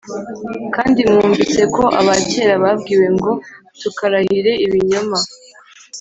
“Kandi mwumvise ko abakera babwiwe ngo ‘Ntukarahire ibinyoma